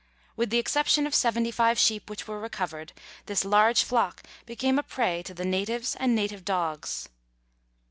With the exception of 75 sheep which were recovered, this large flock became a prey to the natives and native dogs.